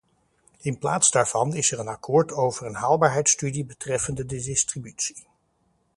In plaats daarvan is er een akkoord over een haalbaarheidsstudie betreffende de distributie.